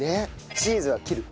チーズは切る。